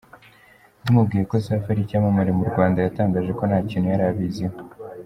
Tumubwiye ko Safi ari icyamamare mu Rwanda yatangaje ko nta kintu yari abiziho.